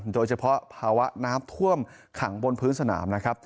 โดยเฉพาะภาวะน้ำท่วมขังบนพื้นสนามนะครับ